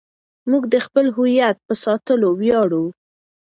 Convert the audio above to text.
موږ د خپل هویت په ساتلو ویاړو.